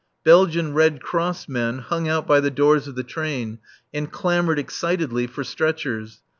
Belgian Red Cross men hung out by the doors of the train and clamoured excitedly for stretchers.